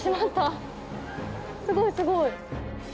すごいすごい！